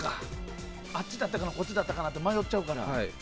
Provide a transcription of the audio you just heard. あっちだったかなこっちだったかなって迷うから。